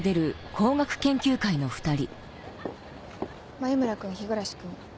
眉村君日暮君